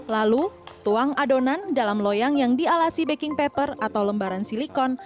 lalu tuang adonan dalam loyang yang dialasi baking pepper atau lembaran silikon